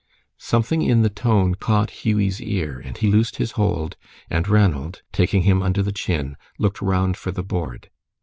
Something in the tone caught Hughie's ear, and he loosed his hold, and Ranald, taking him under the chin, looked round for the board.